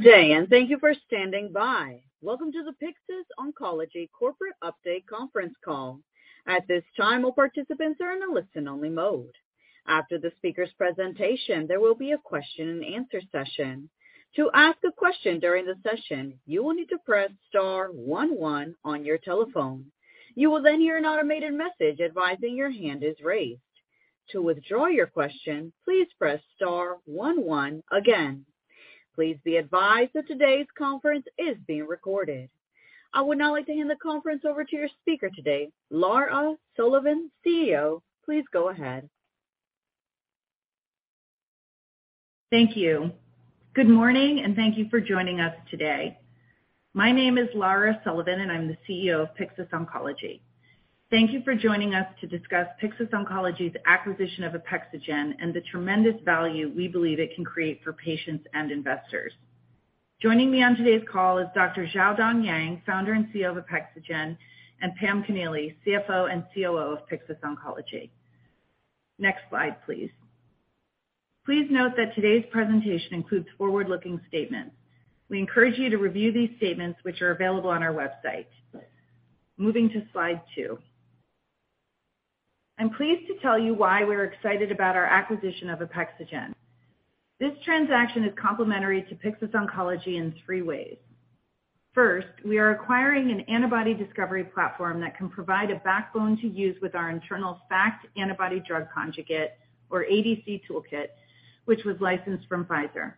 Good day, and thank you for standing by. Welcome to the Pyxis Oncology Corporate Update conference call. At this time, all participants are in a listen-only mode. After the speaker's presentation, there will be a question-and answer session. To ask a question during the session, you will need to press star one one on your telephone. You will then hear an automated message advising your hand is raised. To withdraw your question, please press star one one again. Please be advised that today's conference is being recorded. I would now like to hand the conference over to your speaker today, Lara Sullivan, CEO. Please go ahead. Thank you. Good morning, thank you for joining us today. My name is Lara Sullivan, and I'm the CEO of Pyxis Oncology. Thank you for joining us to discuss Pyxis Oncology's acquisition of Apexigen and the tremendous value we believe it can create for patients and investors. Joining me on today's call is Dr. Xiaodong Yang, Founder and CEO of Apexigen, and Pamela Connealy, CFO and COO of Pyxis Oncology. Next slide, please. Please note that today's presentation includes forward-looking statements. We encourage you to review these statements, which are available on our website. Moving to slide two. I'm pleased to tell you why we're excited about our acquisition of Apexigen. This transaction is complementary to Pyxis Oncology in three ways. First, we are acquiring an antibody discovery platform that can provide a backbone to use with our internal stacked antibody-drug conjugate or ADC toolkit, which was licensed from Pfizer.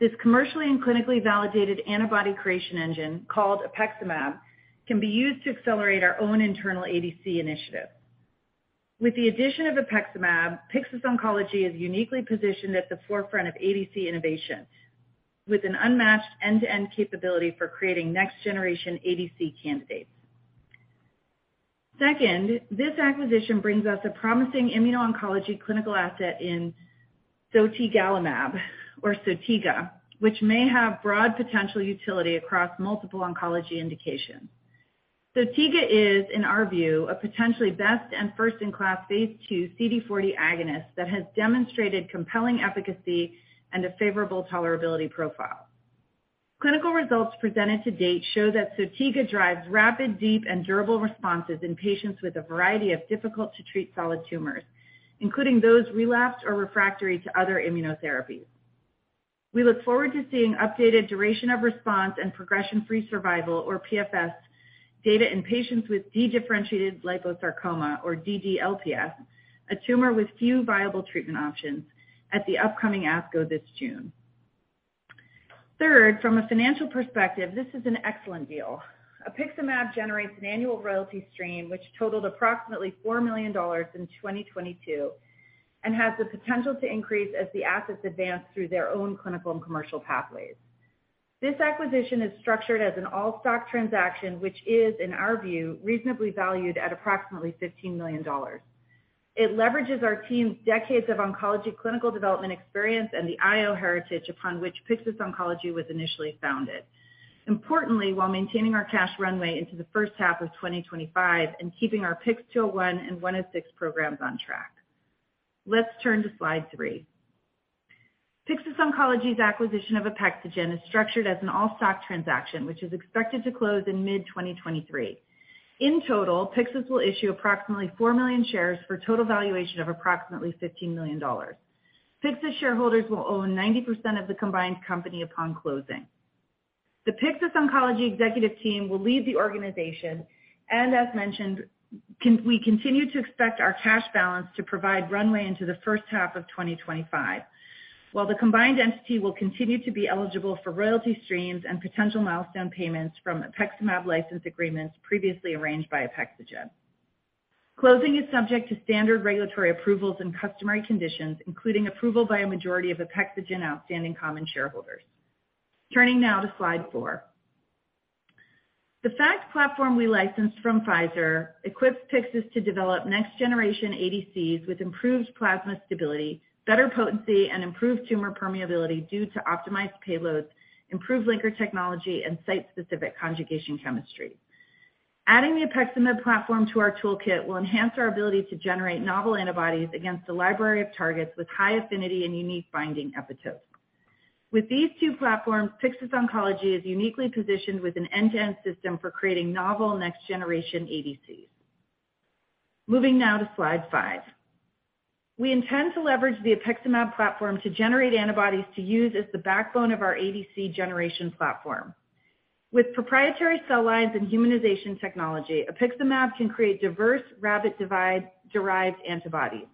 This commercially and clinically validated antibody creation engine, called APXiMAB, can be used to accelerate our own internal ADC initiative. With the addition of APXiMAB, Pyxis Oncology is uniquely positioned at the forefront of ADC innovation with an unmatched end-to-end capability for creating next generation ADC candidates. Second, this acquisition brings us a promising immuno-oncology clinical asset in sotigalimab, or Sotiga, which may have broad potential utility across multiple oncology indications. Sotiga is, in our view, a potentially best and first in class phase II CD40 agonist that has demonstrated compelling efficacy and a favorable tolerability profile. Clinical results presented to date show that Sotiga drives rapid, deep and durable responses in patients with a variety of difficult to treat solid tumors, including those relapsed or refractory to other immunotherapies. We look forward to seeing updated duration of response and progression-free survival or PFS data in patients with Dedifferentiated liposarcoma or DDLPS, a tumor with few viable treatment options at the upcoming ASCO this June. Third, from a financial perspective, this is an excellent deal. APXiMAB generates an annual royalty stream which totaled approximately $4 million in 2022, and has the potential to increase as the assets advance through their own clinical and commercial pathways. This acquisition is structured as an all-stock transaction, which is, in our view, reasonably valued at approximately $15 million. It leverages our team's decades of oncology clinical development experience and the IO heritage upon which Pyxis Oncology was initially founded. Importantly, while maintaining our cash runway into the first half of 2025 and keeping our PYX-201 and PYX-106 programs on track. Let's turn to slide three. Pyxis Oncology's acquisition of Apexigen is structured as an all-stock transaction, which is expected to close in mid-2023. In total, Pyxis will issue approximately 4 million shares for total valuation of approximately $15 million. Pyxis shareholders will own 90% of the combined company upon closing. The Pyxis Oncology executive team will lead the organization. As mentioned, we continue to expect our cash balance to provide runway into the first half of 2025, while the combined entity will continue to be eligible for royalty streams and potential milestone payments from APXiMAB license agreements previously arranged by Apexigen. Closing is subject to standard regulatory approvals and customary conditions, including approval by a majority of Apexigen outstanding common shareholders. Turning now to slide four. The FACT platform we licensed from Pfizer equips Pyxis to develop next generation ADCs with improved plasma stability, better potency, and improved tumor permeability due to optimized payloads, improved linker technology, and site-specific conjugation chemistry. Adding the APXiMAB platform to our toolkit will enhance our ability to generate novel antibodies against the library of targets with high affinity and unique binding epitopes. With these two platforms, Pyxis Oncology is uniquely positioned with an end-to-end system for creating novel next-generation ADCs. Moving now to slide five. We intend to leverage the APXiMAB platform to generate antibodies to use as the backbone of our ADC generation platform. With proprietary cell lines and humanization technology, APXiMAB can create diverse rabbit-derived antibodies.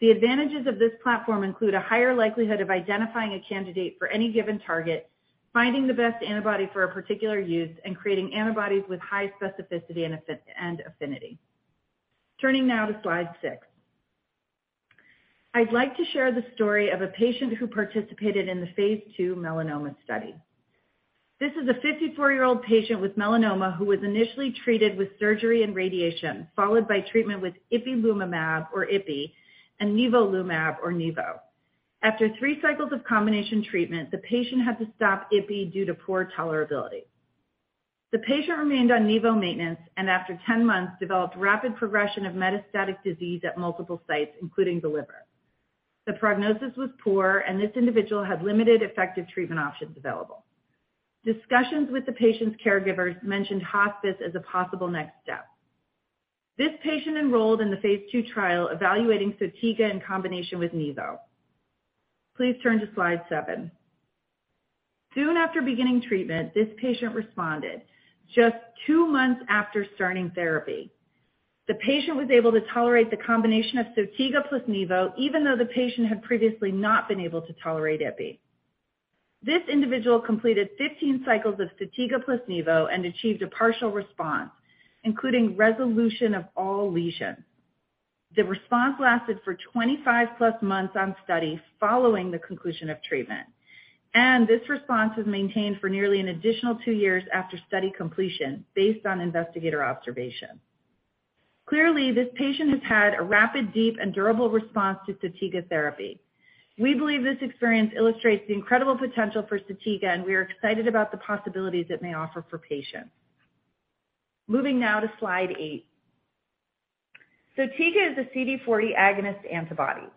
The advantages of this platform include a higher likelihood of identifying a candidate for any given target, finding the best antibody for a particular use, and creating antibodies with high specificity and affinity. Turning now to slide six. I'd like to share the story of a patient who participated in the phase II Melanoma study. This is a 54-year-old patient with melanoma who was initially treated with surgery and radiation, followed by treatment with ipilimumab, or Ipi, and nivolumab, or Nivo. After three cycles of combination treatment, the patient had to stop Ipi due to poor tolerability. The patient remained on nivo maintenance and after 10 months developed rapid progression of metastatic disease at multiple sites, including the liver. The prognosis was poor, and this individual had limited effective treatment options available. Discussions with the patient's caregivers mentioned hospice as a possible next step. This patient enrolled in the phase two trial evaluating Sotiga in combination with nivo. Please turn to slide seven. Soon after beginning treatment, this patient responded. Just two months after starting therapy, the patient was able to tolerate the combination of Sotiga plus nivo, even though the patient had previously not been able to tolerate Ipi. This individual completed 15 cycles of Sotiga plus nivo and achieved a partial response, including resolution of all lesions. The response lasted for 25+ months on study following the conclusion of treatment, and this response was maintained for nearly an additional two years after study completion based on investigator observation. Clearly, this patient has had a rapid, deep, and durable response to Sotiga therapy. We believe this experience illustrates the incredible potential for Sotiga, and we are excited about the possibilities it may offer for patients. Moving now to slide eight. Sotiga is a CD40 agonist antibody.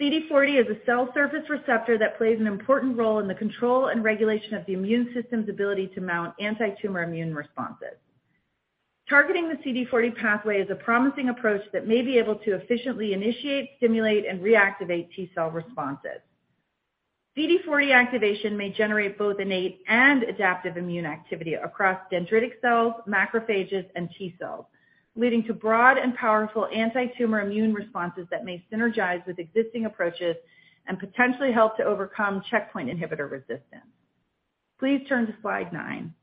CD40 is a cell surface receptor that plays an important role in the control and regulation of the immune system's ability to mount antitumor immune responses. Targeting the CD40 pathway is a promising approach that may be able to efficiently initiate, stimulate, and reactivate T cell responses. CD40 activation may generate both innate and adaptive immune activity across dendritic cells, macrophages, and T cells, leading to broad and powerful antitumor immune responses that may synergize with existing approaches and potentially help to overcome checkpoint inhibitor resistance. Please turn to slide nine.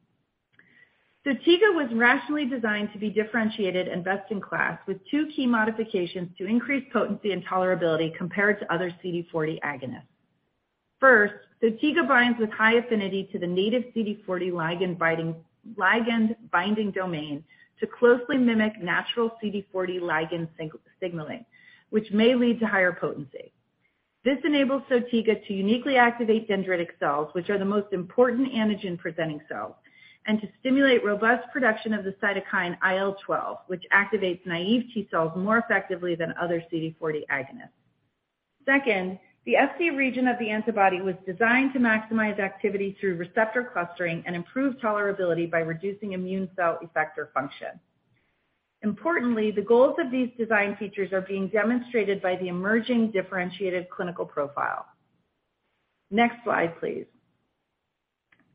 Sotiga was rationally designed to be differentiated and best in class with two key modifications to increase potency and tolerability compared to other CD40 agonists. First, Sotiga binds with high affinity to the native CD40 ligand binding domain to closely mimic natural CD40 ligand signaling, which may lead to higher potency. This enables Sotiga to uniquely activate dendritic cells, which are the most important antigen-presenting cells, and to stimulate robust production of the cytokine IL-12, which activates naive T cells more effectively than other CD40 agonists. Second, the Fc region of the antibody was designed to maximize activity through receptor clustering and improve tolerability by reducing immune cell effector function. Importantly, the goals of these design features are being demonstrated by the emerging differentiated clinical profile. Next slide, please,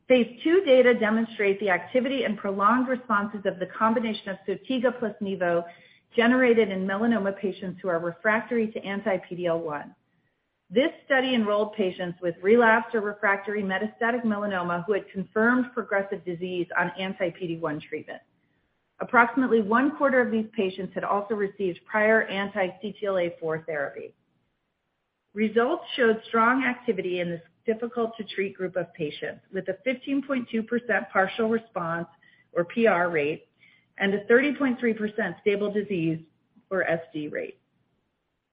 phase II data demonstrate the activity and prolonged responses of the combination of Sotiga plus nivo generated in melanoma patients who are refractory to anti-PD-L1. This study enrolled patients with relapsed or refractory metastatic melanoma who had confirmed progressive disease on anti-PD-1 treatment. Approximately 1/4 of these patients had also received prior anti-CTLA-4 therapy. Results showed strong activity in this difficult-to-treat group of patients, with a 15.2% partial response or PR rate and a 30.3% stable disease or SD rate.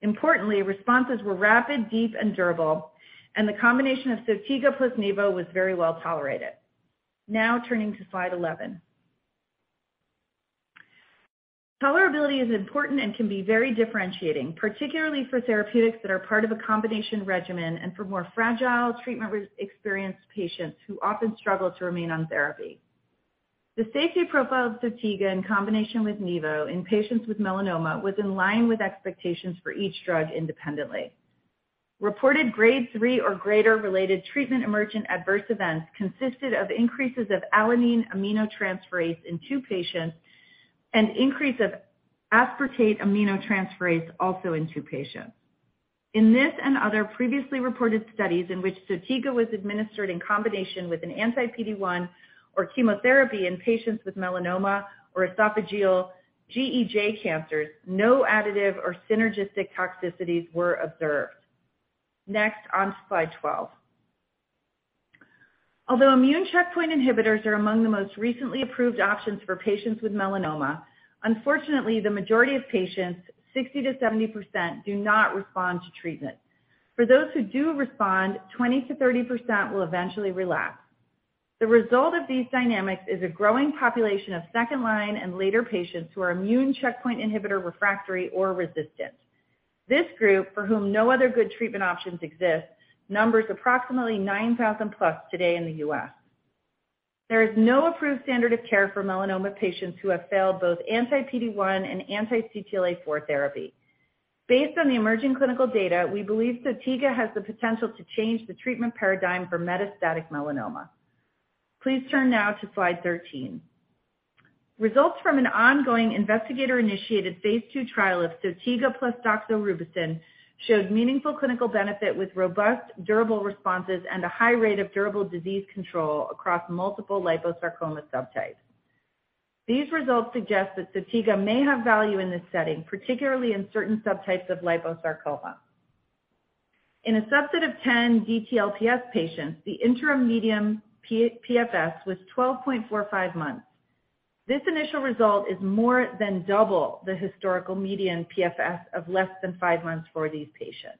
Importantly, responses were rapid, deep, and durable, and the combination of Sotiga plus nivo was very well tolerated. Turning to slide 11. Tolerability is important and can be very differentiating, particularly for therapeutics that are part of a combination regimen and for more fragile treatment experienced patients who often struggle to remain on therapy. The safety profile of Sotiga in combination with nivo in patients with melanoma was in line with expectations for each drug independently. Reported Grade 3 or greater related treatment emergent adverse events consisted of increases of alanine aminotransferase in two patients and increase of aspartate aminotransferase also in two patients. In this and other previously reported studies in which Sotiga was administered in combination with an anti-PD-1 or chemotherapy in patients with melanoma or esophageal GEJ cancers, no additive or synergistic toxicities were observed. On to slide 12. Although immune checkpoint inhibitors are among the most recently approved options for patients with melanoma, unfortunately, the majority of patients, 60%-70%, do not respond to treatment. For those who do respond, 20%-30% will eventually relapse. The result of these dynamics is a growing population of second-line and later patients who are immune checkpoint inhibitor refractory or resistant. This group, for whom no other good treatment options exist, numbers approximately 9,000+ today in the U.S. There is no approved standard of care for melanoma patients who have failed both anti-PD-1 and anti-CTLA-4 therapy. Based on the emerging clinical data, we believe Sotiga has the potential to change the treatment paradigm for metastatic melanoma. Please turn now to slide 13. Results from an ongoing investigator-initiated phase II trial of Sotiga plus doxorubicin showed meaningful clinical benefit with robust, durable responses and a high rate of durable disease control across multiple liposarcoma subtypes. These results suggest that Sotiga may have value in this setting, particularly in certain subtypes of liposarcoma. In a subset of 10 DDLPS patients, the interim median PFS was 12.45 months. This initial result is more than double the historical median PFS of less than five months for these patients.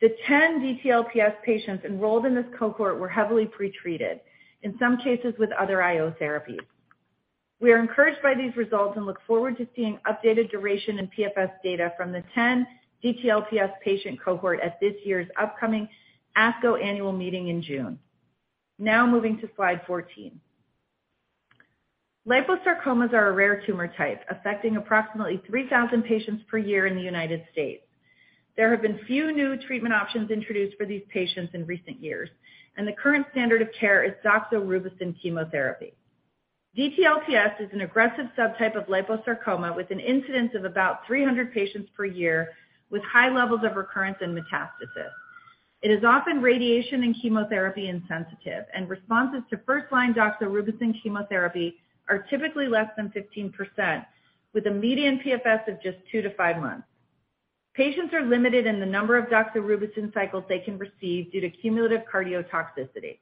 The 10 DDLPS patients enrolled in this cohort were heavily pretreated, in some cases with other IO therapies. We are encouraged by these results and look forward to seeing updated duration and PFS data from the 10 DDLPS patient cohort at this year's upcoming ASCO annual meeting in June. Moving to slide 14. Liposarcomas are a rare tumor type, affecting approximately 3,000 patients per year in the United States. There have been few new treatment options introduced for these patients in recent years, and the current standard of care is doxorubicin chemotherapy. DDLPS is an aggressive subtype of liposarcoma with an incidence of about 300 patients per year, with high levels of recurrence and metastasis. It is often radiation and chemotherapy insensitive, and responses to first-line doxorubicin chemotherapy are typically less than 15%, with a median PFS of just two to five months. Patients are limited in the number of doxorubicin cycles they can receive due to cumulative cardiotoxicity.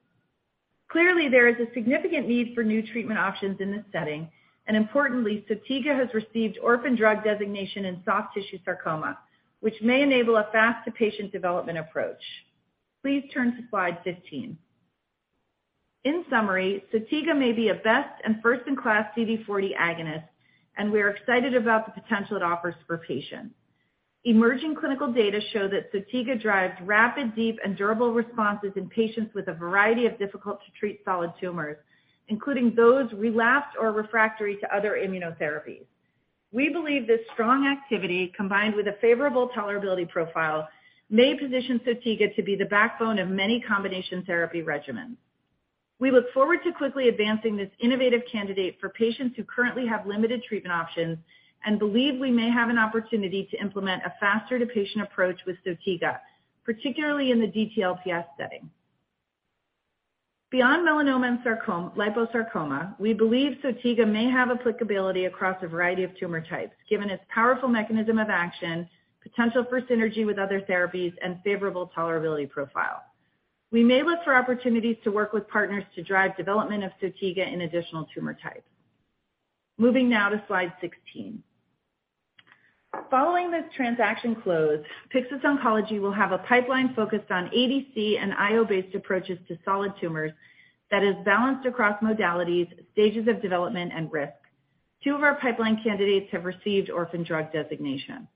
Clearly, there is a significant need for new treatment options in this setting, and importantly, Sotiga has received orphan drug designation in soft tissue sarcoma, which may enable a fast to patient development approach. Please turn to slide 15. In summary, Sotiga may be a best and first in class CD40 agonist, and we are excited about the potential it offers for patients. Emerging clinical data show that Sotiga drives rapid, deep and durable responses in patients with a variety of difficult to treat solid tumors, including those relapsed or refractory to other immunotherapies. We believe this strong activity, combined with a favorable tolerability profile, may position Sotiga to be the backbone of many combination therapy regimens. We look forward to quickly advancing this innovative candidate for patients who currently have limited treatment options and believe we may have an opportunity to implement a faster to patient approach with Sotiga, particularly in the DDLPS setting. Beyond melanoma and liposarcoma, we believe Sotiga may have applicability across a variety of tumor types, given its powerful mechanism of action, potential for synergy with other therapies and favorable tolerability profile. We may look for opportunities to work with partners to drive development of Sotiga in additional tumor types. Moving now to slide 16. Following this transaction close, Pyxis Oncology will have a pipeline focused on ADC and IO-based approaches to solid tumors that is balanced across modalities, stages of development and risk. Two of our pipeline candidates have received orphan drug designation.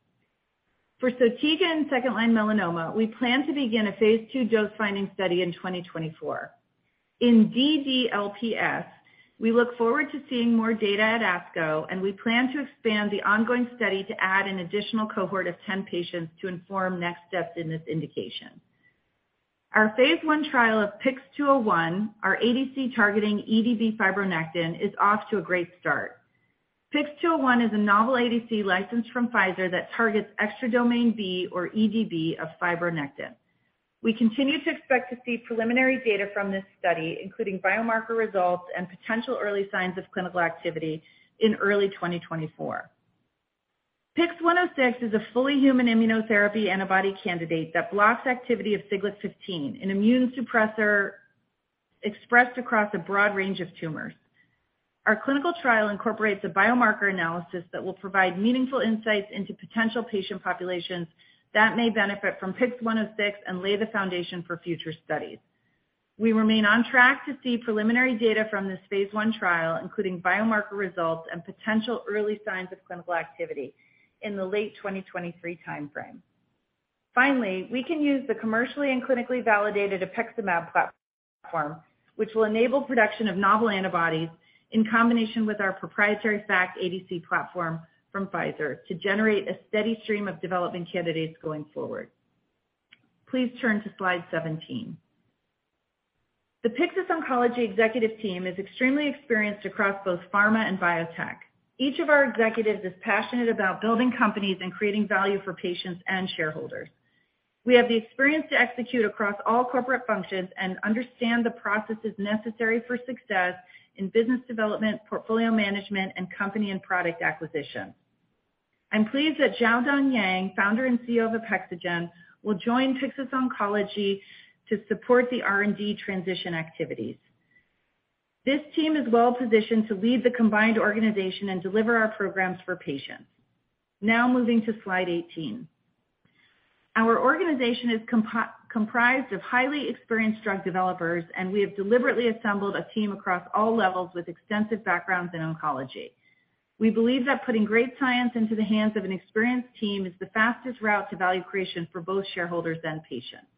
For Sotiga and second-line melanoma, we plan to begin a phase II dose-finding study in 2024. In DDLPS, we look forward to seeing more data at ASCO. We plan to expand the ongoing study to add an additional cohort of 10 patients to inform next steps in this indication. Our phase I trial of PYX-201, our ADC targeting EDB fibronectin, is off to a great start. PYX-201 is a novel ADC licensed from Pfizer that targets extra Domain B or EDB of fibronectin. We continue to expect to see preliminary data from this study, including biomarker results and potential early signs of clinical activity in early 2024. PYX-106 is a fully human immunotherapy antibody candidate that blocks activity of Siglec-15, an immune suppressor expressed across a broad range of tumors. Our clinical trial incorporates a biomarker analysis that will provide meaningful insights into potential patient populations that may benefit from PYX-106 and lay the foundation for future studies. We remain on track to see preliminary data from this phase I trial, including biomarker results and potential early signs of clinical activity in the late 2023 timeframe. Finally, we can use the commercially and clinically validated APXiMAB platform, which will enable production of novel antibodies in combination with our proprietary FACT ADC platform from Pfizer to generate a steady stream of development candidates going forward. Please turn to slide 17. The Pyxis Oncology executive team is extremely experienced across both pharma and biotech. Each of our executives is passionate about building companies and creating value for patients and shareholders. We have the experience to execute across all corporate functions and understand the processes necessary for success in business development, portfolio management, and company and product acquisition. I'm pleased that Xiaodong Yang, Founder and CEO of Apexigen, will join Pyxis Oncology to support the R&D transition activities. This team is well-positioned to lead the combined organization and deliver our programs for patients. Now moving to slide 18. Our organization is comprised of highly experienced drug developers, and we have deliberately assembled a team across all levels with extensive backgrounds in oncology. We believe that putting great science into the hands of an experienced team is the fastest route to value creation for both shareholders and patients.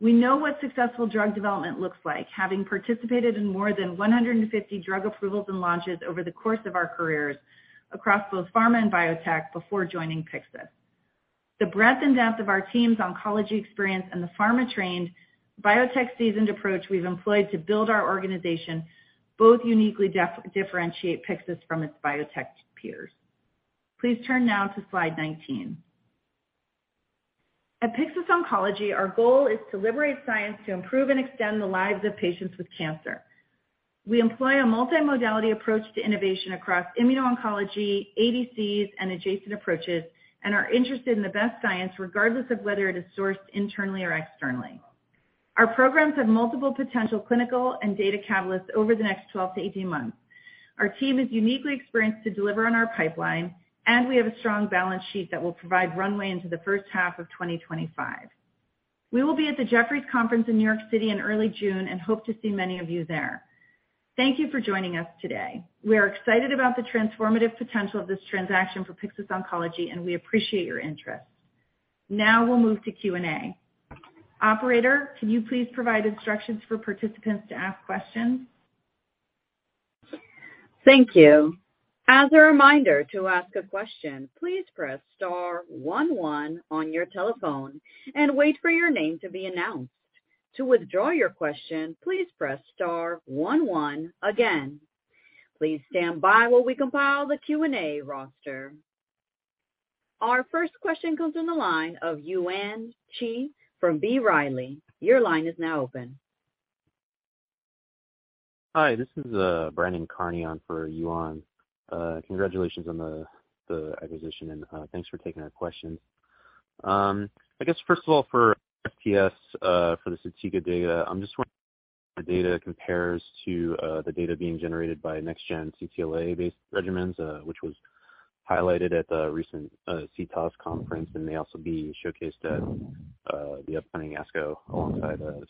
We know what successful drug development looks like, having participated in more than 150 drug approvals and launches over the course of our careers across both pharma and biotech before joining Pyxis. The breadth and depth of our team's oncology experience and the pharma-trained, biotech-seasoned approach we've employed to build our organization both uniquely differentiate Pyxis from its biotech peers. Please turn now to slide 19. At Pyxis Oncology, our goal is to liberate science to improve and extend the lives of patients with cancer. We employ a multi-modality approach to innovation across immuno-oncology, ADCs, and adjacent approaches, and are interested in the best science regardless of whether it is sourced internally or externally. Our programs have multiple potential clinical and data catalysts over the next 12-18 months. Our team is uniquely experienced to deliver on our pipeline, and we have a strong balance sheet that will provide runway into the first half of 2025. We will be at the Jefferies conference in New York City in early June and hope to see many of you there. Thank you for joining us today. We are excited about the transformative potential of this transaction for Pyxis Oncology, and we appreciate your interest. We'll move to Q&A. Operator, can you please provide instructions for participants to ask questions? Thank you. As a reminder, to ask a question, please press star one one on your telephone and wait for your name to be announced. To withdraw your question, please press star one one again. Please stand by while we compile the Q&A roster. Our first question comes in the line of Yuan Zhi from B. Riley. Your line is now open. Hi, this is Brandon Carney on for Yuan. Congratulations on the acquisition and thanks for taking our questions. I guess first of all for STS, for the Sotiga data, I'm just wondering how the data compares to the data being generated by next gen CTLA-4-based regimens, which was highlighted at the recent CTOS conference and may also be showcased at the upcoming ASCO alongside the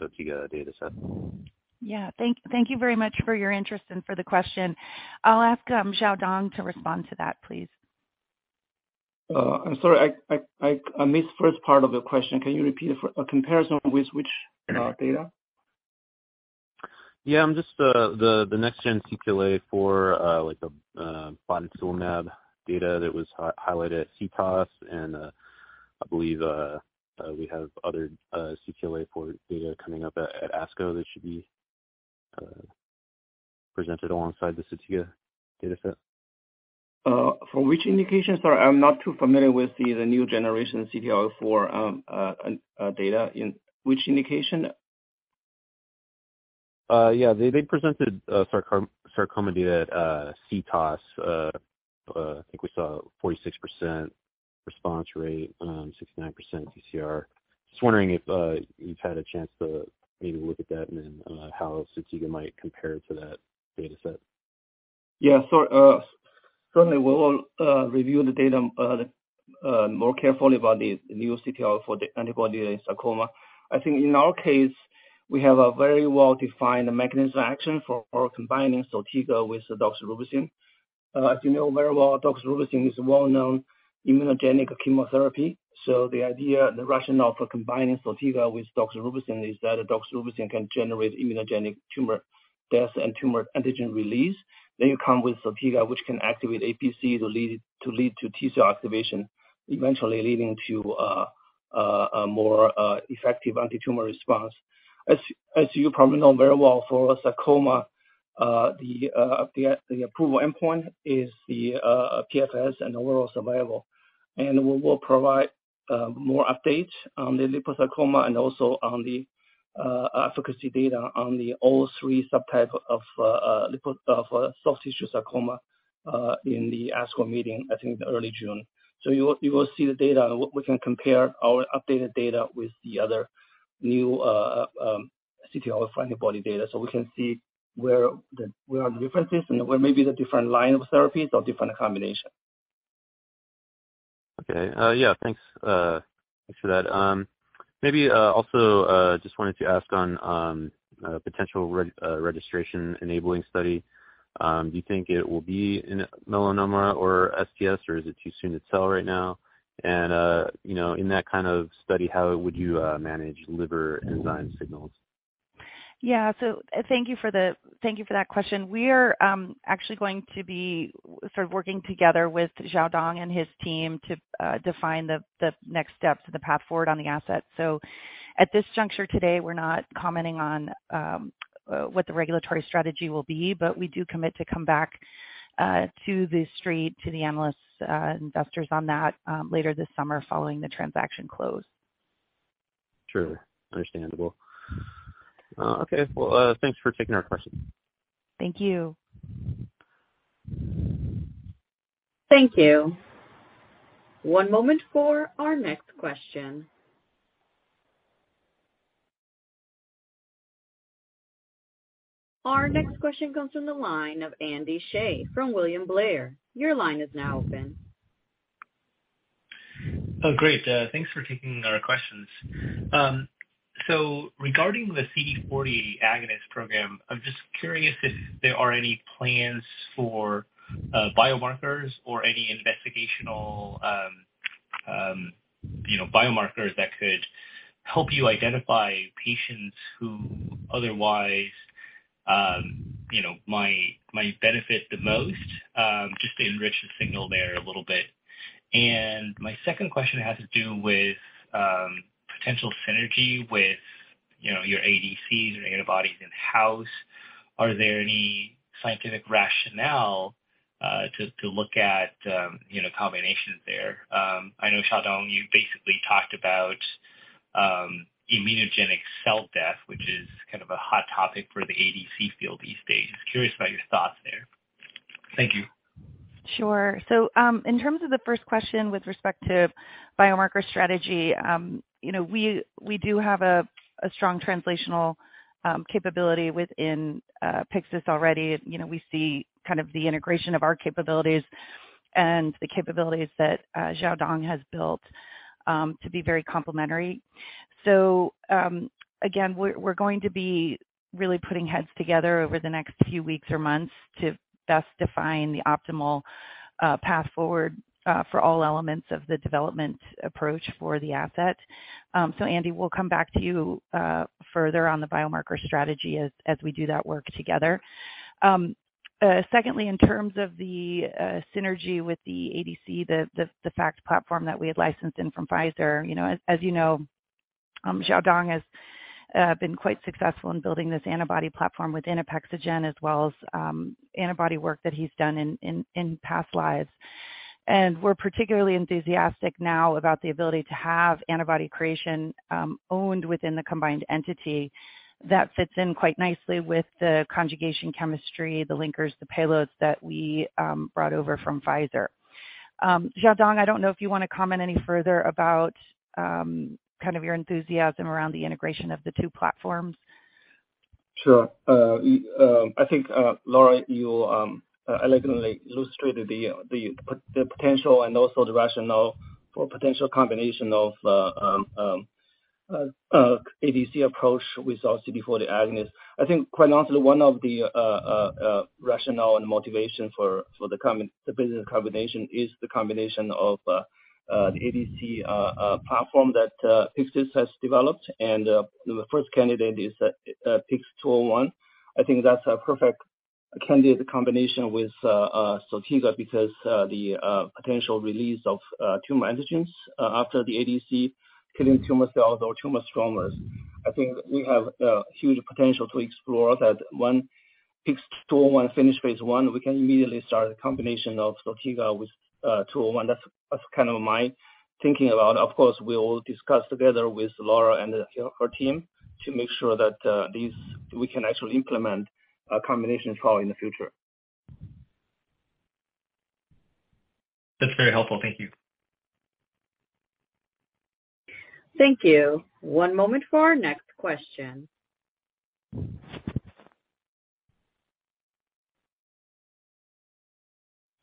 Sotiga dataset. Yeah. Thank you very much for your interest and for the question. I'll ask Xiaodong to respond to that, please. I'm sorry, I missed first part of the question. Can you repeat it a comparison with which, data? Yeah. Just the next gen CTLA-4, like a ipilimumab data that was highlighted at CTOS and I believe we have other CTLA-4 data coming up at ASCO that should be presented alongside the sotigalimab dataset. For which indication? Sorry, I'm not too familiar with the new generation CTLA-4 data. In which indication? Yeah, they presented sarcoma data at CTOS. I think we saw 46% response rate, 69% DCR. Just wondering if you've had a chance to maybe look at that and then how Sotiga might compare to that data set. Yeah. Certainly we will review the data more carefully about the new CTL-4 antibody sarcoma. I think in our case, we have a very well-defined mechanism action for combining Sotiga with doxorubicin. As you know very well, doxorubicin is a well-known immunogenic chemotherapy. The idea, the rationale for combining Sotiga with doxorubicin is that doxorubicin can generate immunogenic tumor death and tumor antigen release. You come with Sotiga, which can activate APC to lead to T-cell activation, eventually leading to a more effective antitumor response. As you probably know very well, for sarcoma, the approval endpoint is the PFS and overall survival. We will provide more updates on the liposarcoma and also on the efficacy data on the all three subtype of soft tissue sarcoma in the ASCO meeting, I think in early June. You will see the data, we can compare our updated data with the other new CTL-4 antibody data. We can see where the differences and where maybe the different line of therapies or different combination. Okay. Yeah, thanks for that. Maybe also just wanted to ask on potential registration enabling study. Do you think it will be in melanoma or STS, or is it too soon to tell right now? You know, in that kind of study, how would you manage liver enzyme signals? Thank you for that question. We are actually going to be sort of working together with Xiaodong and his team to define the next steps of the path forward on the asset. At this juncture today, we're not commenting on what the regulatory strategy will be, but we do commit to come back to the street, to the analysts, investors on that later this summer following the transaction close. Sure. Understandable. okay. Well, thanks for taking our questions. Thank you. Thank you. One moment for our next question. Our next question comes from the line of Andy Hsieh from William Blair. Your line is now open. Oh, great. Thanks for taking our questions. Regarding the CD40 agonist program, I'm just curious if there are any plans for biomarkers or any investigational, you know, biomarkers that could help you identify patients who otherwise, you know, might benefit the most, just to enrich the signal there a little bit. My second question has to do with potential synergy with, you know, your ADCs or antibodies in house. Are there any scientific rationale to look at, you know, combinations there? I know, Xiaodong, you basically talked about immunogenic cell death, which is kind of a hot topic for the ADC field these days. Just curious about your thoughts there. Thank you. Sure. In terms of the first question with respect to biomarker strategy, you know, we do have a strong translational capability within Pyxis already. You know, we see kind of the integration of our capabilities and the capabilities that Xiaodong has built to be very complementary. Again, we're going to be really putting heads together over the next few weeks or months to best define the optimal path forward for all elements of the development approach for the asset. Andy, we'll come back to you further on the biomarker strategy as we do that work together. Secondly, in terms of the synergy with the ADC, the FACT platform that we had licensed in from Pfizer, you know, as you know, Xiaodong has been quite successful in building this antibody platform within Apexigen as well as antibody work that he's done in past lives. We're particularly enthusiastic now about the ability to have antibody creation owned within the combined entity that fits in quite nicely with the conjugation chemistry, the linkers, the payloads that we brought over from Pfizer. Xiaodong, I don't know if you want to comment any further about kind of your enthusiasm around the integration of the two platforms. Sure. I think Laura, you elegantly illustrated the potential and also the rationale for potential combination of ADC approach with also before the agonist. I think quite honestly, one of the rationale and motivation for the business combination is the combination of the ADC platform that Pyxis has developed. The first candidate is PYX-201. I think that's a perfect candidate combination with sotigalimab because the potential release of tumor antigens after the ADC killing tumor cells or tumor stromas. I think we have a huge potential to explore that one PYX-201 finish phase I, we can immediately start a combination of sotigalimab with PYX-201. That's kind of my thinking about. Of course, we'll discuss together with Laura and her team to make sure that these we can actually implement a combination trial in the future. That's very helpful. Thank you. Thank you. One moment for our next question.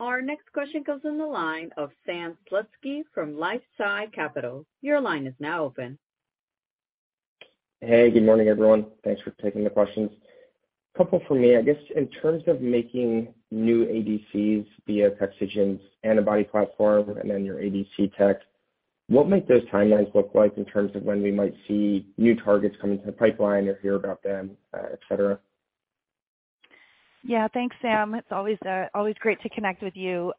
Our next question comes in the line of Sam Slutsky from LifeSci Capital. Your line is now open. Hey, good morning, everyone. Thanks for taking the questions. Couple from me. I guess, in terms of making new ADCs via Apexigen's antibody platform and then your ADC tech, what might those timelines look like in terms of when we might see new targets coming to the pipeline or hear about them, et cetera? Yeah. Thanks, Sam. It's always great to connect with you.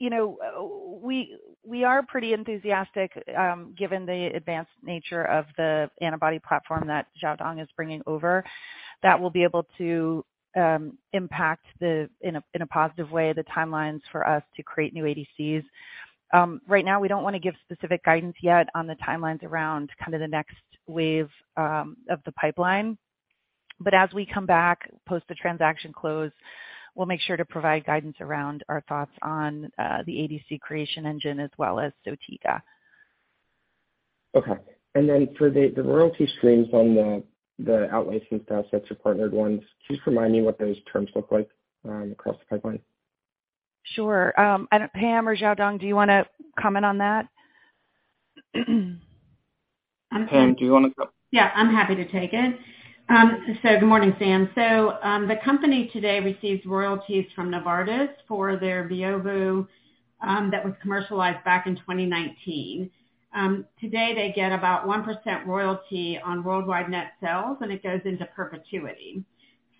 You know, we are pretty enthusiastic, given the advanced nature of the antibody platform that Xiaodong is bringing over that will be able to, impact the, in a, in a positive way, the timelines for us to create new ADCs. Right now, we don't want to give specific guidance yet on the timelines around kind of the next wave, of the pipeline. As we come back, post the transaction close, we'll make sure to provide guidance around our thoughts on, the ADC creation engine as well as Sotiga. Okay. Then for the royalty streams on the outlicensed assets or partnered ones, just remind me what those terms look like, across the pipeline. Sure. Pam or Xiaodong, do you want to comment on that? Pam, do you want to? Yeah, I'm happy to take it. Good morning, Sam. The company today receives royalties from Novartis for their Beovu that was commercialized back in 2019. Today they get about 1% royalty on worldwide net sales, and it goes into perpetuity.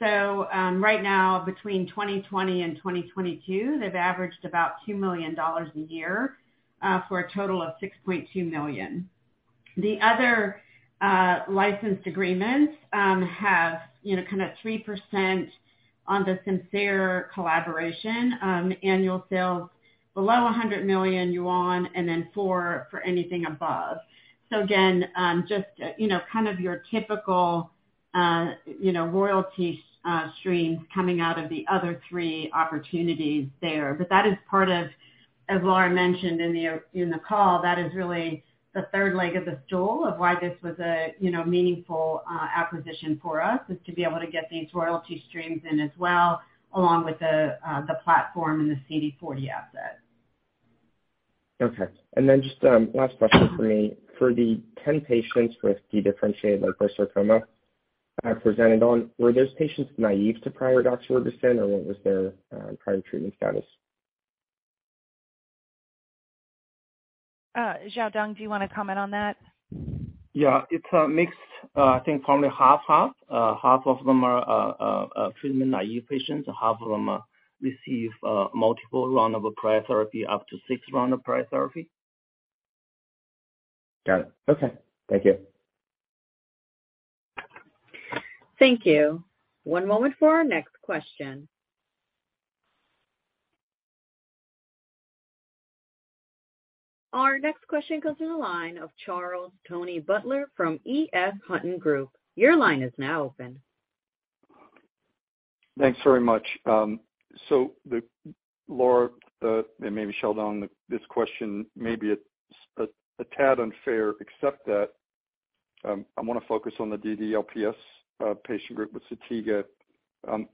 Right now, between 2020 and 2022, they've averaged about $2 million a year for a total of $6.2 million. The other license agreements have, you know, kind of 3% on the [Simcere] collaboration, annual sales below 100 million yuan and then 4% for anything above. Again, just, you know, kind of your typical, you know, royalty streams coming out of the other three opportunities there. That is part of, as Lara mentioned in the call, that is really the third leg of the stool of why this was a, you know, meaningful acquisition for us, is to be able to get these royalty streams in as well, along with the platform and the CD40 asset. Okay. Just last question from me. For the 10 patients with dedifferentiated liposarcoma presented on, were those patients naive to prior doxorubicin, or what was their prior treatment status? Xiaodong, do you want to comment on that? Yeah. It's mixed. I think probably 50/50. Half of them are treatment naive patients, half of them receive multiple round of prior therapy, up to six round of prior therapy. Got it. Okay. Thank you. Thank you. One moment for our next question. Our next question comes from the line of Charles Tony Butler from EF Hutton Group. Your line is now open. Thanks very much. So the Lara and maybe Xiaodong, this question may be a tad unfair, except that I want to focus on the DDLPS patient group with Sotiga.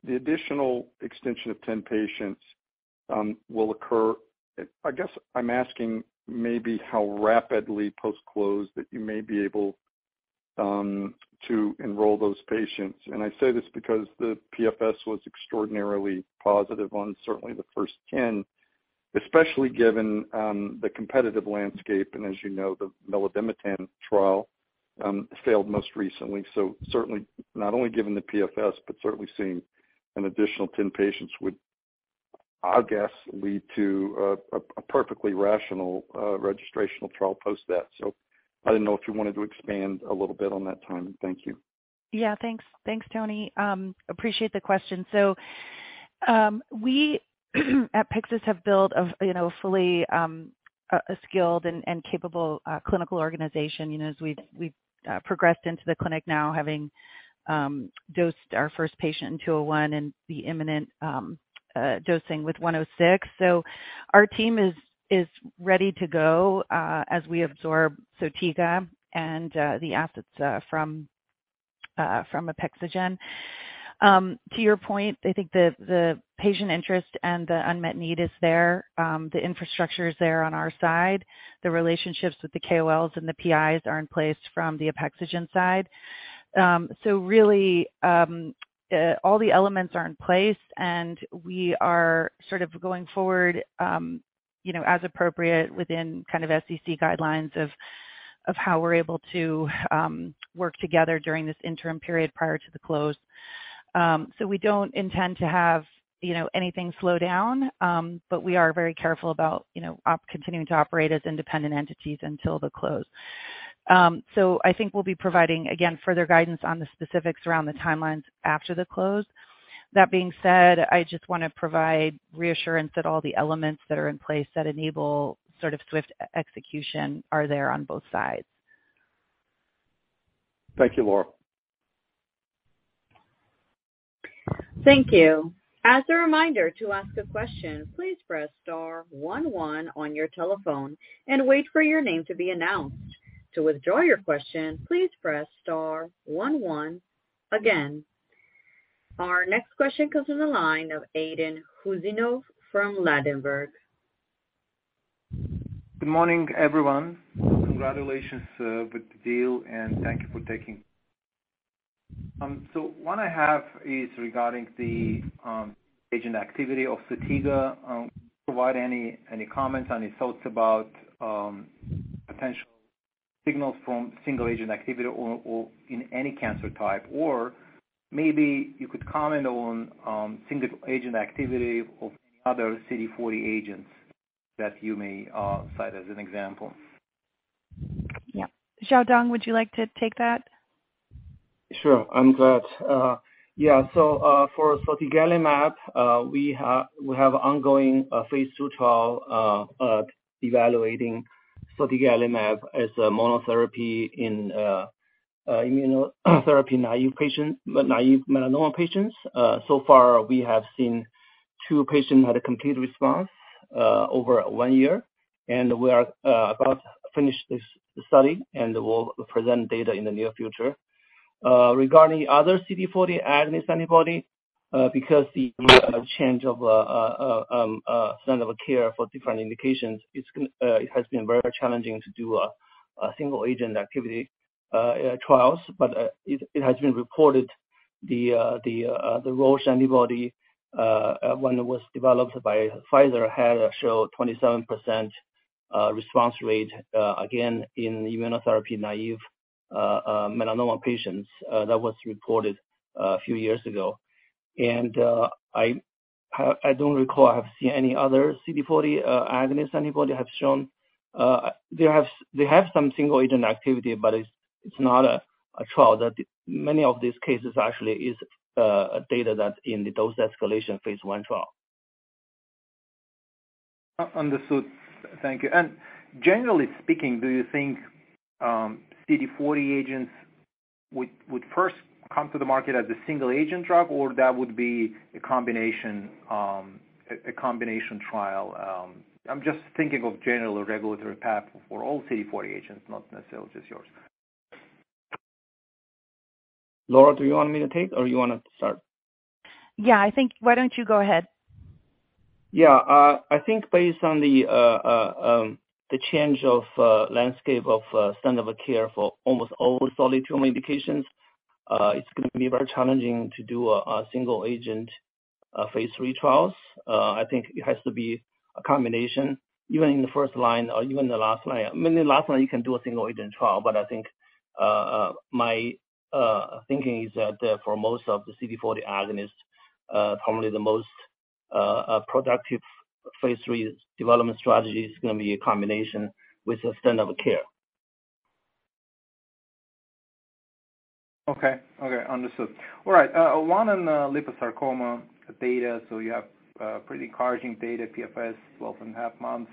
The additional extension of 10 patients will occur. I guess I'm asking maybe how rapidly post-close that you may be able to enroll those patients. I say this because the PFS was extraordinarily positive on certainly the first 10, especially given the competitive landscape. As you know, the milademetan trial failed most recently. Certainly not only given the PFS, but certainly seeing an additional 10 patients would, I guess, lead to a perfectly rational registrational trial post that. I didn't know if you wanted to expand a little bit on that timing. Thank you. Thanks. Thanks, Tony. Appreciate the question. We at Pyxis have built a, you know, fully skilled and capable clinical organization, you know, as we've progressed into the clinic now having dosed our first patient in PYX-201 and the imminent dosing with PYX-106. Our team is ready to go as we absorb sotigalimab and the assets from Apexigen. To your point, I think the patient interest and the unmet need is there. The infrastructure is there on our side. The relationships with the KOLs and the PIs are in place from the Apexigen side. Really, all the elements are in place, and we are sort of going forward, you know, as appropriate within kind of SEC guidelines of how we're able to work together during this interim period prior to the close. We don't intend to have, you know, anything slow down, but we are very careful about, you know, continuing to operate as independent entities until the close. I think we'll be providing, again, further guidance on the specifics around the timelines after the close. That being said, I just want to provide reassurance that all the elements that are in place that enable sort of swift e-execution are there on both sides. Thank you, Lara. Thank you. As a reminder, to ask a question, please press star one one on your telephone and wait for your name to be announced. To withdraw your question, please press star one one again. Our next question comes from the line of Aydin Huseynov from Ladenburg. Good morning, everyone. Congratulations with the deal, and thank you for taking. What I have is regarding the agent activity of sotigalimab. Provide any comments, any thoughts about potential signals from single agent activity or in any cancer type? Maybe you could comment on single agent activity of other CD40 agents that you may cite as an example. Yeah. Xiaodong, would you like to take that? Sure. I'm glad. For sotigalimab, we have ongoing phase two trial evaluating sotigalimab as a monotherapy in immunotherapy naive patient, naive melanoma patients. So far we have seen two patients had a complete response over one year, and we are about to finish this study, and we'll present data in the near future. Regarding other CD40 agonist antibody, because the change of standard of care for different indications, it's going to it has been very challenging to do a single agent activity trials. It has been reported the Roche antibody when it was developed by Pfizer had showed 27% response rate again in immunotherapy naive melanoma patients. That was reported a few years ago. I don't recall I have seen any other CD40 agonist antibody have shown... They have some single agent activity, but it's not a trial that many of these cases actually is data that's in the dose escalation phase I trial. Understood. Thank you. Generally speaking, do you think CD40 agents would first come to the market as a single agent drug, or that would be a combination trial? I'm just thinking of general regulatory path for all CD40 agents, not necessarily just yours. Laura, do you want me to take or you want to start? Yeah, I think why don't you go ahead? I think based on the change of landscape of standard of care for almost all solid tumor indications, it's going to be very challenging to do a single agent phase III trials. I think it has to be a combination, even in the first line or even the last line. I mean, the last line you can do a single agent trial. I think my thinking is that for most of the CD40 agonists, probably the most productive phase III development strategy is going to be a combination with the standard of care. Okay. Okay, understood. All right. One on liposarcoma data. You have pretty encouraging data PFS, 12.5 months.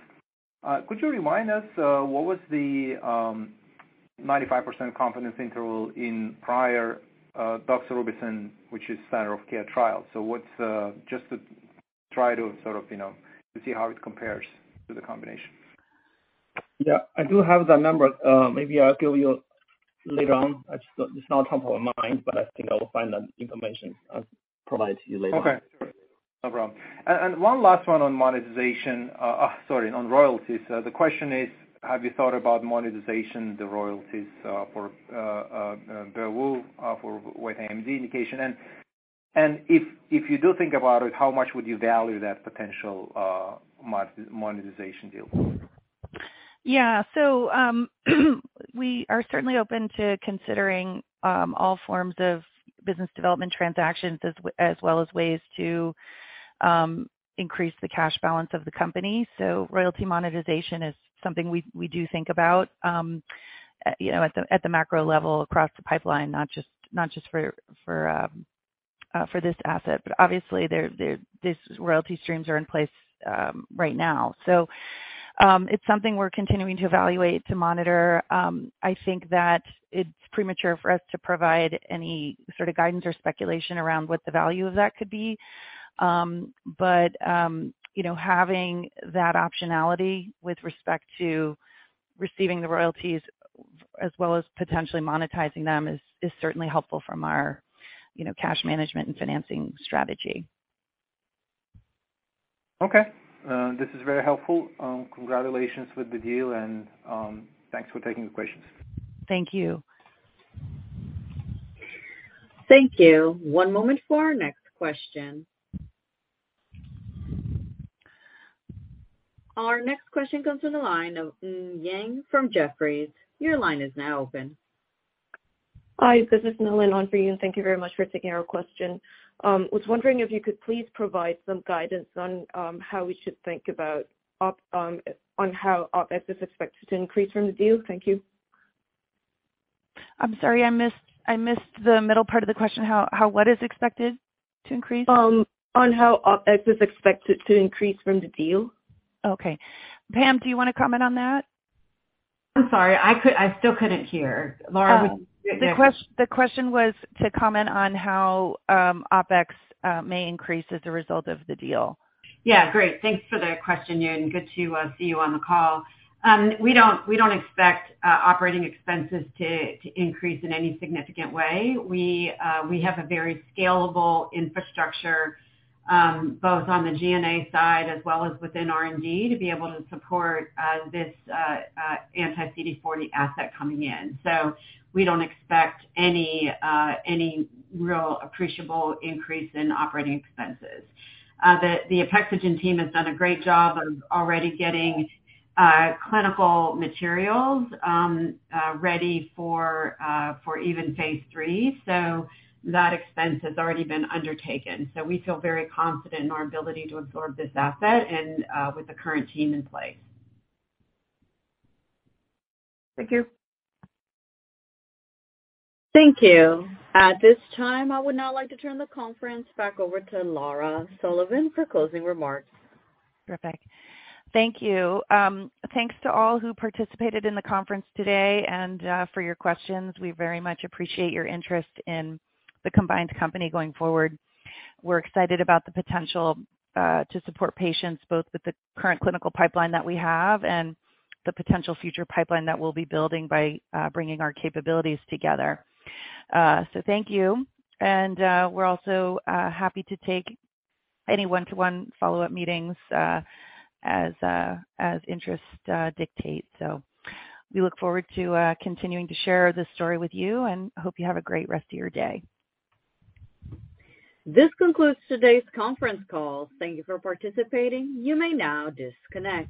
Could you remind us what was the 95% confidence interval in prior doxorubicin, which is standard of care trial? What's just to try to sort of, you know, to see how it compares to the combination. Yeah, I do have that number. Maybe I'll give you later on. It's not top of mind, I think I will find that information, provide to you later. Okay, no problem. One last one on monetization, sorry, on royalties. The question is, have you thought about monetization, the royalties, for Beovu, for with AMD indication? If you do think about it, how much would you value that potential monetization deal? We are certainly open to considering all forms of business development transactions as well as ways to increase the cash balance of the company. Royalty monetization is something we do think about, you know, at the macro level across the pipeline, not just for this asset. Obviously these royalty streams are in place right now. It's something we're continuing to evaluate, to monitor. I think that it's premature for us to provide any sort of guidance or speculation around what the value of that could be. You know, having that optionality with respect to receiving the royalties as well as potentially monetizing them is certainly helpful from our, you know, cash management and financing strategy. Okay. This is very helpful. Congratulations with the deal and thanks for taking the questions. Thank you. Thank you. One moment for our next question. Our next question comes from the line of Eun Yang from Jefferies. Your line is now open. Hi, this is [Hellen] on for Eun, and thank you very much for taking our question. Was wondering if you could please provide some guidance on how OpEx is expected to increase from the deal. Thank you. I'm sorry, I missed the middle part of the question. How what is expected to increase? On how OpEx is expected to increase from the deal. Okay. Pam, do you want to comment on that? I'm sorry. I still couldn't hear. Lara, would you- The question was to comment on how OpEx may increase as a result of the deal. Great. Thanks for the question, good to see you on the call. We don't expect operating expenses to increase in any significant way. We have a very scalable infrastructure, both on the G&A side as well as within R&D to be able to support this anti-CD40 asset coming in. We don't expect any real appreciable increase in operating expenses. The Apexigen team has done a great job of already getting clinical materials ready for even phase III. That expense has already been undertaken. We feel very confident in our ability to absorb this asset and with the current team in place. Thank you. Thank you. At this time, I would now like to turn the conference back over to Lara Sullivan for closing remarks. Perfect. Thank you. Thanks to all who participated in the conference today and for your questions. We very much appreciate your interest in the combined company going forward. We're excited about the potential to support patients, both with the current clinical pipeline that we have and the potential future pipeline that we'll be building by bringing our capabilities together. Thank you, and we're also happy to take any one-to-one follow-up meetings as interest dictates. We look forward to continuing to share this story with you, and hope you have a great rest of your day. This concludes today's conference call. Thank you for participating. You may now disconnect.